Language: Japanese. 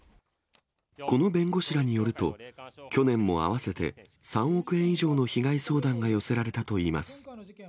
この弁護士らによると、去年も合わせて３億円以上の被害相談が寄せられたといいます。